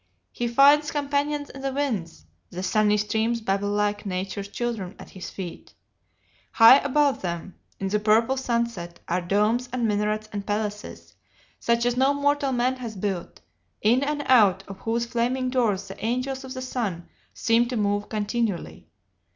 He finds companions in the winds the sunny streams babble like Nature's children at his feet; high above them, in the purple sunset, are domes and minarets and palaces, such as no mortal man has built, in and out of whose flaming doors the angels of the sun seem to move continually.